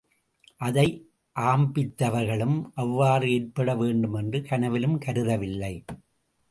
அதை ஆம்பித்தவர்களும் அவ்வாறு ஏற்பட வேண்டுமென்று கனவிலும் கருதவில்லை.